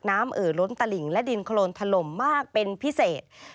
เอ่อล้นตลิ่งและดินโครนถล่มมากเป็นพิเศษ